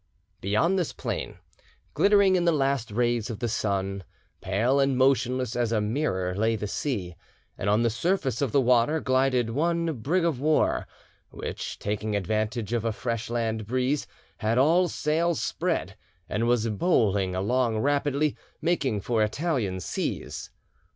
Beyond this plain, glittering in the last rays of the sun, pale and motionless as a mirror lay the sea, and on the surface of the water glided one brig of war, which, taking advantage of a fresh land breeze, had all sails spread, and was bowling along rapidly, making for Italian seas.